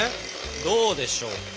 どうでしょうか？